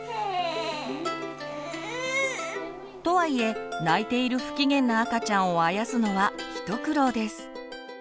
とはいえ泣いている不機嫌な赤ちゃんをあやすのは一苦労です。